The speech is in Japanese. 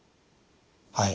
はい。